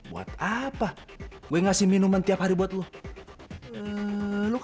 untuk apa saya memberikan minuman setiap hari untuk anda